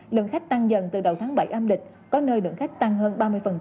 lượng khách tăng dần từ đầu tháng bảy âm lịch có nơi lượng khách tăng hơn ba mươi